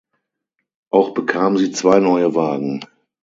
Auch bekam sie zwei neue Wagen.